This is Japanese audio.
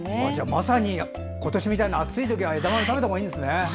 まさに今年みたいな暑い時は枝豆食べた方がいいんですね。